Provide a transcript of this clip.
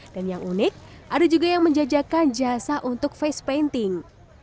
dan yang unik ada juga yang menjajakan jasa untuk face painting